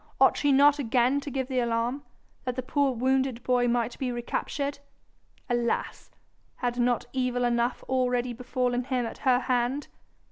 Ought she not again to give the alarm, that the poor wounded boy might be recaptured? Alas! had not evil enough already befallen him at her hand?